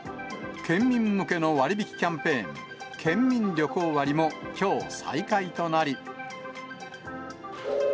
県民向けの割引キャンペーン、県民旅行割もきょう、再開となり。